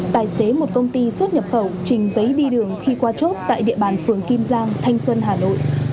tài xế một công ty xuất nhập khẩu trình giấy đi đường khi qua chốt tại địa bàn phường kim giang thanh xuân hà nội